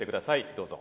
どうぞ。